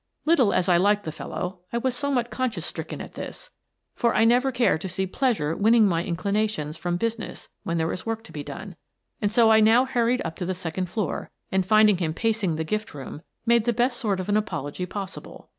Little as I liked the fellow, I was somewhat conscience stricken at this, for I never care to see pleasure winning my inclinations from business when there is work to be done, and so I now hurried up to the second floor, and, finding him pacing the gift room, made the best sort of an apology possible.